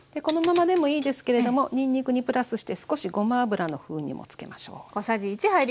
このままでもいいですけれどもにんにくにプラスして少しごま油の風味もつけましょう。